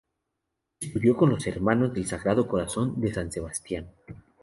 Estudió con los Hermanos del Sagrado Corazón de San Sebastián.